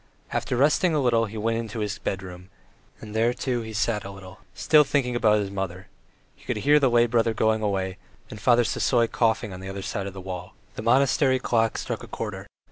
After resting a little he went into his bedroom, and there, too, he sat a little, still thinking of his mother; he could hear the lay brother going away, and Father Sisoy coughing the other side of the wall. The monastery clock struck a quarter.